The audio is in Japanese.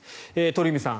鳥海さん